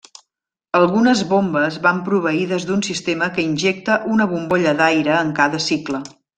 Algunes bombes van proveïdes d'un sistema que injecta una bombolla d'aire en cada cicle.